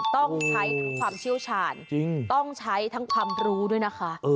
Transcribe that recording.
ต้องใช้ทั้งความเชี่ยวชาญต้องใช้ทั้งความรู้ด้วยนะคะ